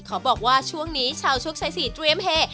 ขอบอกว่าช่วงนี้ชาวโชคชัยสี่เตรียมเฮ